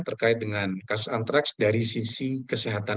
terkait dengan kasus antraks dari sisi kesehatan